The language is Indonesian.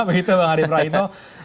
begitu bang arief raino